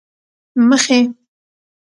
مخې،